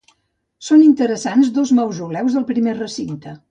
Són interessants dos mausoleus del primer recinte.